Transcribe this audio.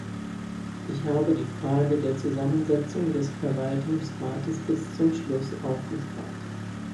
Ich habe die Frage der Zusammensetzung des Verwaltungsrates bis zum Schluss aufgespart.